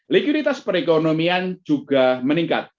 likuiditas perekonomian juga meningkat